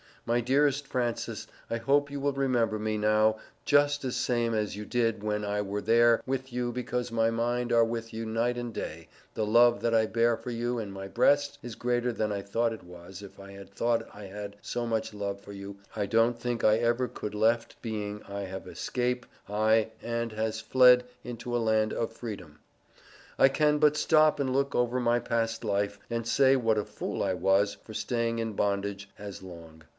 My dearest Frances I hope you will remember me now gust as same as you did when I were there with you because my mind are with you night and day the Love that I bear for you in my breast is greater than I thought it was if I had thought I had so much Love for you I dont think I ever could Left being I have escape I and has fled into a land of freedom. I can but stop and look over my past Life and say what a fool I was for staying in bondage as Long.